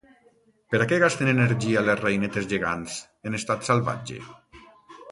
Per a què gasten energia les reinetes gegants en estat salvatge?